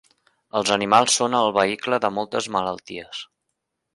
Els animals són el vehicle de moltes malalties.